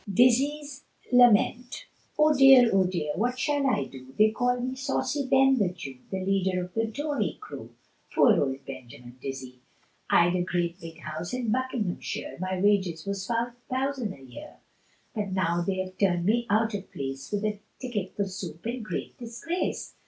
DIZZY'S LAMENT. Oh dear! oh dear! what shall I do? They call me saucy Ben the Jew, The leader of the Tory crew, Poor old Benjamin Dizzy. I'd a great big house in Buckinghamshire, My Wages was Five Thousand a year; But now they have turned me out of place, With a ticket for soup, in great disgrace.